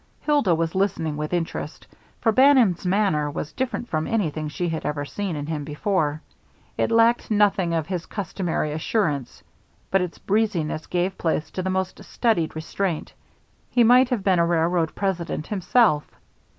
Hilda was listening with interest, for Bannon's manner was different from anything she had ever seen in him before. It lacked nothing of his customary assurance, but its breeziness gave place to the most studied restraint; he might have been a railroad president himself.